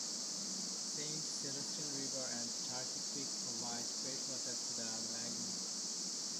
Saint Sebastian River and Turkey Creek provide freshwater to the Lagoon.